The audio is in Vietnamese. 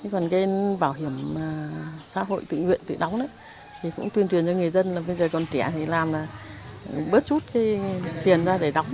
còn cái bảo hiểm xã hội tự nguyện tự đóng thì cũng tuyên truyền cho người dân là bây giờ còn trẻ thì làm là bớt rút cái tiền ra để đóng